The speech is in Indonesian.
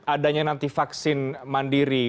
adanya nanti vaksin mandiri